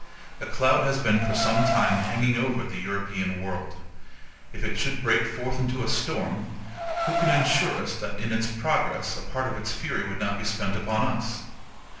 A cloud has been for some time hanging over the European world. If it should break forth into a storm, who can insure us that in its progress a part of its fury would not be spent upon us?